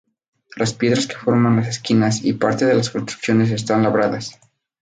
Las piedras que forman las esquinas y parte de las construcciones están labradas.